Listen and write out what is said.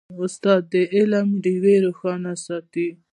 استاد د علم ډیوه روښانه ساتي.